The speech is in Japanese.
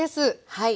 はい。